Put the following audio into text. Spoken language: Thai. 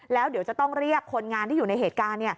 แล้วเดี๋ยวจะต้องเรียกคนงานที่อยู่ในเหตุการณ์